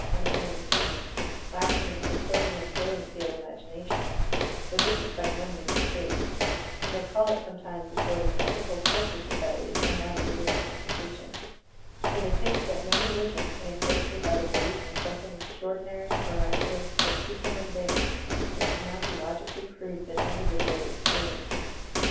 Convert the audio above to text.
Ill Digitized by Google 112 SERMONS OP A BUDDHIST ABBOT and unentertaining, lacking in the fertility and brilliancy of imagination — though this is by no means the case — and they call it sometimes a sort of ethical cnlttire society and not a religious institution. For they think that no religion can exist without a belief' in something extraordi nary, miractilous, or supramundane which cannot be logically proved and individually experi enced.